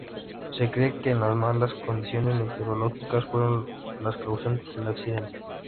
Se cree que las malas condiciones meteorológicas fueron las causantes del accidente.